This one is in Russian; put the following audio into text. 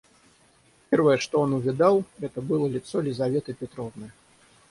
Первое, что он увидал, это было лицо Лизаветы Петровны.